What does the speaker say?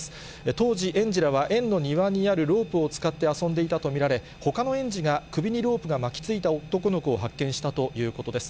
当時、園児らは園の庭にあるロープを使って遊んでいたと見られ、ほかの園児が首にロープが巻きついた男の子を発見したということです。